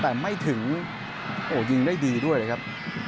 แต่ไม่ถึงโอ้โหยิงได้ดีด้วยเลยครับ